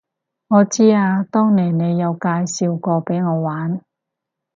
我知啊，當年你有介紹過畀我玩